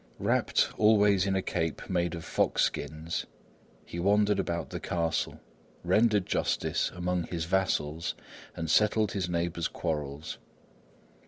Wrapped always in a cape made of fox skins, he wandered about the castle, rendered justice among his vassals and settled his neighbours' quarrels.